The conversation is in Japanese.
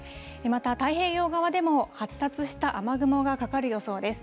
また太平洋側でも発達した雨雲がかかる予想です。